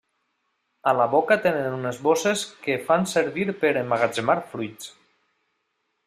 A la boca tenen unes bosses que fan servir per emmagatzemar fruits.